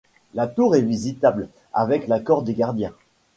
La tour est visitable avec l'accord des gardiens.